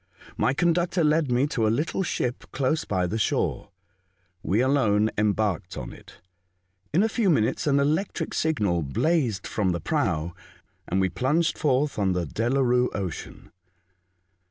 My conductor led me to a little ship close by the shore. We alone embarked on it. In a few minutes an electric signal blazed from the prow and we plunged forth on the Delarue Ocean.